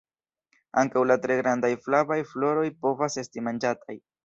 Ankaŭ la tre grandaj flavaj floroj povas esti manĝataj.